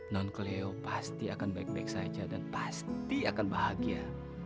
non kelio pasti akan baik baik saja dan pasti akan bahagia